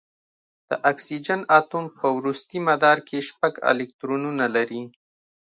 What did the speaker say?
د اکسیجن اتوم په وروستي مدار کې شپږ الکترونونه لري.